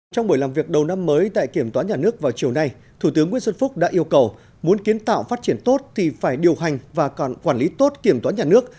trong buổi làm việc đầu năm mới tại kiểm toán nhà nước vào chiều nay thủ tướng nguyễn xuân phúc đã yêu cầu muốn kiến tạo phát triển tốt thì phải điều hành và còn quản lý tốt kiểm toán nhà nước